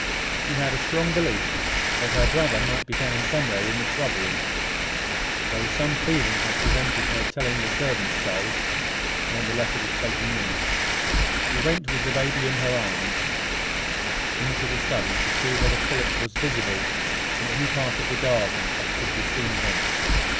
She had a strong belief that her brother might be found somewhere in the shrubbery, though some feeling had prevented her telling the servant so when the letter was taken in. She went, with the baby in her arms, into the study, to see whether Philip was visible in any part of the garden that could be seen thence.